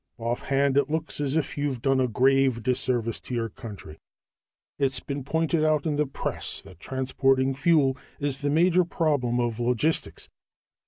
"Offhand, it looks as if you've done a grave disservice to your country. It's been pointed out in the press that transporting fuel is the major problem of logistics.